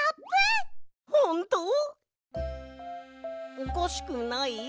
おかしくない？